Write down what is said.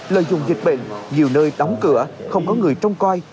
lợi dụng dịch bệnh nhiều nơi đóng cửa không có người trông coi